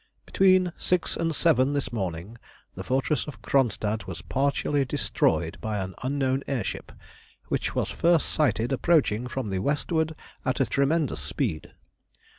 Between six and seven this morning, the fortress of Kronstadt was partially destroyed by an unknown air ship, which was first sighted approaching from the westward at a tremendous speed.